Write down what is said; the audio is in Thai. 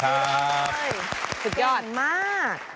ปรบมือมากเลยเก่งมาก